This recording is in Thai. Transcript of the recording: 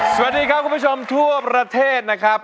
สวัสดีครับคุณผู้ชมทั่วประเทศนะครับ